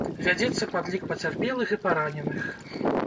Вядзецца падлік пацярпелых і параненых.